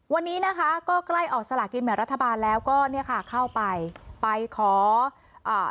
วันนี้นะคะก็ใกล้ออกสลากินแบ่งรัฐบาลแล้วก็เนี่ยค่ะเข้าไปไปขออ่า